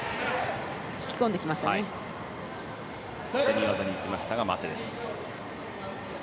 捨て身技にいきましたが待てです。